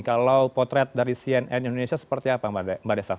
kalau potret dari cna indonesia seperti apa bade saf